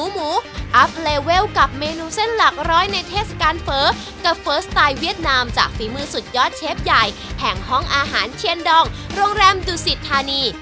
หมูอัพเลเวลกับเมนูเส้นหลักร้อยในเทศกาลเฟ้อกับเฟ้อสไตล์เวียดนามจากฝีมือสุดยอดเชฟใหญ่แห่งห้องอาหารเทียนดองโรงแรมดุสิทธานี